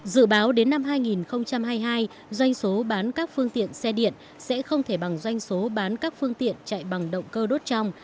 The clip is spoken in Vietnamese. dự báo đến năm hai nghìn hai mươi hai doanh số bán các phương tiện xe điện sẽ không thể bằng doanh số bán các phương tiện chạy bằng động cơ đốt trong